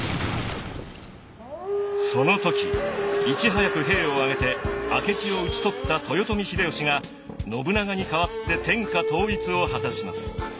その時いち早く兵を挙げて明智を討ち取った豊臣秀吉が信長に代わって天下統一を果たします。